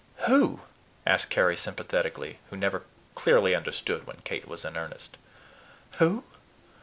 "Who?" asked Carry sympathetically, who never clearly understood when Kate was in earnest. "Who?